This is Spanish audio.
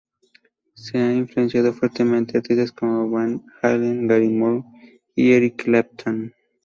Se ha influenciado fuertemente artistas como Van Halen, Gary Moore y Eric Clapton.